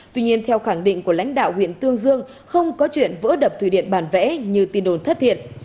tuy nhiên theo khẳng định của lãnh đạo huyện tương dương không có chuyện vỡ đập thủy điện bản vẽ như tin đồn thất thiệt